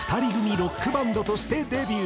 ロックバンドとしてデビュー。